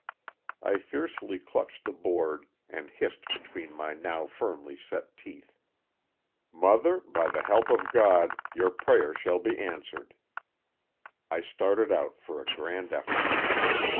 I fiercely clutched the board and hissed be tween my now firmly set teeth ^''Mother, by the help of God, your prayer shall be answered.'' I started out for a grand effort.